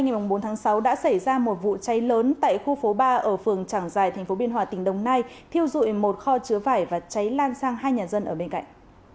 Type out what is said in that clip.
ngày bốn tháng sáu đã xảy ra một vụ cháy lớn tại khu phố ba ở phường trảng giải thành phố biên hòa tỉnh đồng nai thiêu dụi một kho chứa vải và cháy lan sang hai nhà dân ở bên cạnh